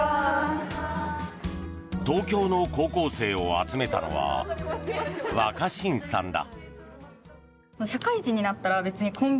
東京の高校生を集めたのは若新さんだ。